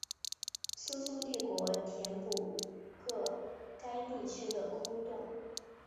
苏苏帝国填补个该地区的空洞。